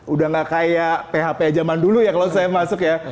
udah gak kayak php zaman dulu ya kalau saya masuk ya